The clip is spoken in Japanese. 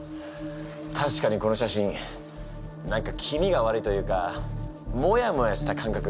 たしかにこの写真何か気味が悪いというかモヤモヤした感覚になる。